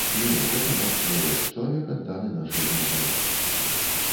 Не, гэта наш чалавек, чалавек, адданы нашай дзяржаве.